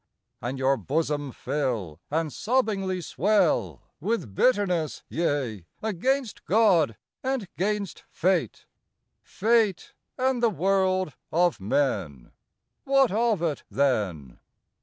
And your bosom fill, And sobbingly swell, With bitterness, yea, against God and 'gainst Fate, Fate, and the world of men, What of it then?...